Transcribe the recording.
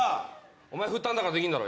お前振ったんだからできんだろ